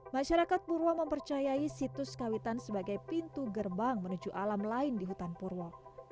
masyarakat purwa mempercayai situs kawitan sebagai pintu gerbang menuju alam lain di hutan purwo